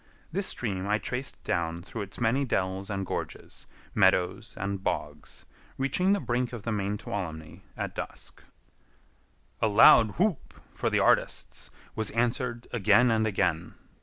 This stream I traced down through its many dells and gorges, meadows and bogs, reaching the brink of the main Tuolumne at dusk. A loud whoop for the artists was answered again and again.